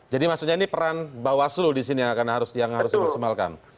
jadi maksudnya ini peran bawah selu disini yang harus dipersemalkan